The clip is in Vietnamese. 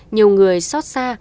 nhiều người xót xa